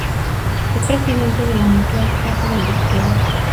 Es presidente de la Mutual Casa del Boxeador.